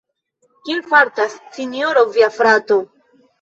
Kiel fartas Sinjoro via frato?